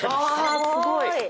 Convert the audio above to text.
わすごい！